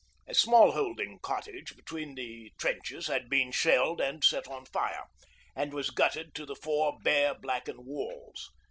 A 'small holding' cottage between the trenches had been shelled and set on fire, and was gutted to the four bare, blackened walls.